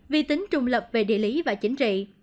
vì tính trùng lập về địa lý và chính trị